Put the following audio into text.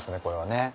これはね。